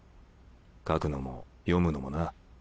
書くのも読むのもな。